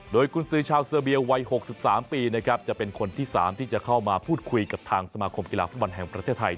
โดยกุญสือชาวเซอร์เบียวัย๖๓ปีนะครับจะเป็นคนที่๓ที่จะเข้ามาพูดคุยกับทางสมาคมกีฬาฟุตบอลแห่งประเทศไทย